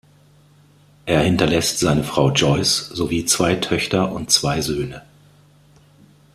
Er hinterlässt seine Frau Joyce sowie zwei Töchter und zwei Söhne.